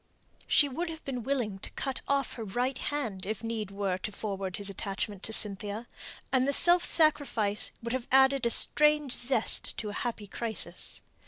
She would have been willing to cut off her right hand, if need were, to forward his attachment to Cynthia; and the self sacrifice would have added a strange zest to a happy crisis.